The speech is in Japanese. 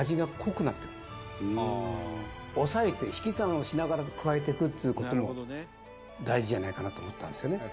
抑えて引き算をしながら加えていくっつう事も大事じゃないかなと思ったんですよね。